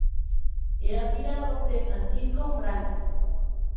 Era admirador de Francisco Franco.